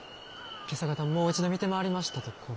今朝方もう一度見て回りましたところ。